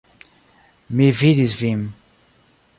Mi vidis vin.